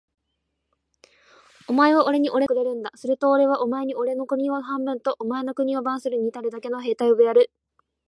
お前はおれにおれの兵隊を養うだけ金をくれるんだ。するとおれはお前におれの国を半分と、お前の金を番するのにたるだけの兵隊をやる。